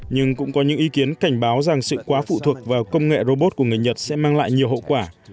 nhưng cũng có những ý kiến cảnh báo rằng sự quá phụ thuộc vào công nghệ robot của người nhật sẽ mang lại nhiều hậu quả